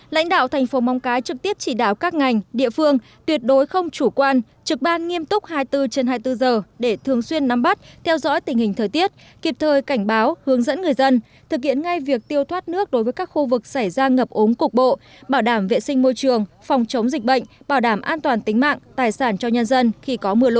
lãnh đạo thành phố móng cái trực tiếp chỉ đảo các ngành địa phương tuyệt đối không chủ quan trực ban nghiêm túc hai mươi bốn trên hai mươi bốn giờ để thường xuyên nắm bắt theo dõi tình hình thời tiết kịp thời cảnh báo hướng dẫn người dân thực hiện ngay việc tiêu thoát nước đối với các khu vực xảy ra ngập úng cục bộ bảo đảm vệ sinh môi trường phòng chống dịch bệnh bảo đảm an toàn tính mạng tài sản cho nhân dân khi có mưa lũ